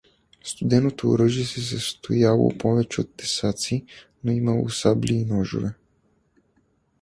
Студеното оръжие се състояло повече от тесаци, но имало сабли и ножове.